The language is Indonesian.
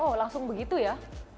oh langsung begitu ya